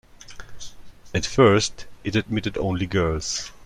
At first, it admitted only girls.